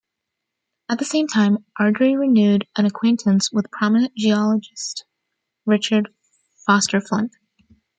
At the same time, Ardrey renewed an acquaintance with prominent geologist Richard Foster Flint.